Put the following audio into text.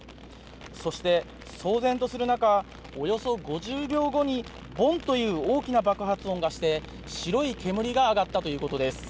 そして騒然とする中、およそ５０秒後にボンという大きな爆発音がして白い煙が上がったということです。